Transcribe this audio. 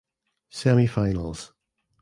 Semifinals.